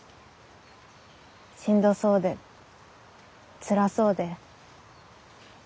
しんどそうでつらそうで。